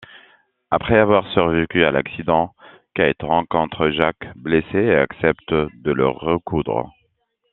Après avoir survécu à l'accident, Kate rencontre Jack blessé et accepte de le recoudre.